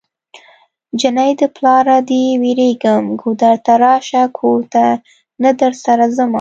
جنۍ د پلاره دی ويريږم ګودر ته راشه کور ته نه درسره ځمه